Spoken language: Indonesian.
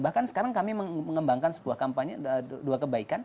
bahkan sekarang kami mengembangkan sebuah kampanye dua kebaikan